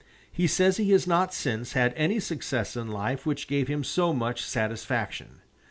He says he has not since had any success in life which gave him so much satisfaction.